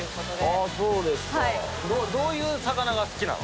どういう魚が好きなの？